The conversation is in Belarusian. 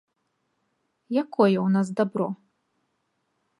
Якое ў нас дабро?